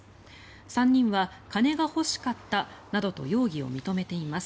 ３人は金が欲しかったなどと容疑を認めています。